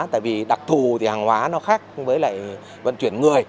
tại vì đặc thù thì hàng hóa nó khác với lại vận chuyển người